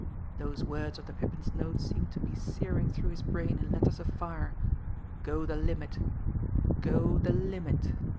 Those words of the Pippin's note seemed to be searing through his brain in letters of fire "go the limit go the limit."